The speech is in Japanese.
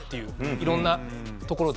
いろんなところで。